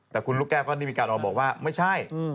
แต่คุณลูกแก้วก็ได้มีการออกมาบอกว่าไม่ใช่